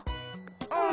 うん。